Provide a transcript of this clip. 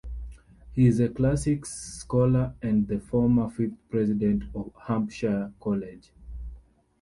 He is a classics scholar and the former fifth president of Hampshire College.